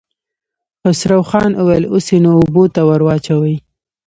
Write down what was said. خسرو خان وويل: اوس يې نو اوبو ته ور واچوئ.